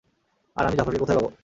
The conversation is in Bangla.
আর আমি জাফরকে কোথায় পাব?